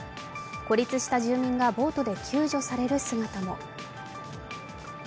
孤立した住民がボートで救助される姿も。